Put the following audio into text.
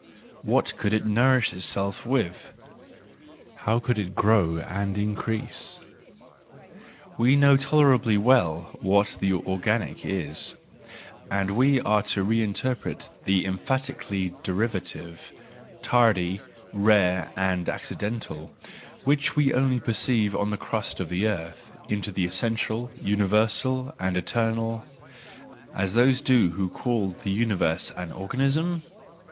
What could it nourish itself with? How could it grow and increase? We know tolerably well what the organic is ; and we are to reinterpret the emphati¬ cally derivative, tardy, rare and accidental, which we only perceive on the crust of the earth, into the essential, universal and eternal, as those do who call the universe an organism